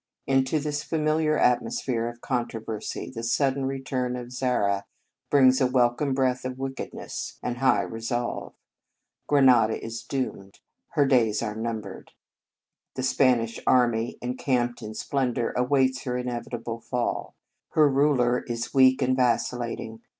Into this familiar at mosphere of controversy the sudden return of Zara brings a welcome breath of wickedness and high re solve. Granada is doomed. Her days are numbered. The Spanish army, 60 The Convent Stage encamped in splendour, awaits her inevitable fall. Her ruler is weak and vacillating.